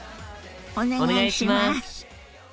お願いします。